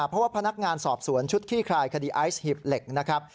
เพราะว่าพนักงานสอบสวนชุดขี้คลายคดีไอซ์หีบเหล็กนะครับ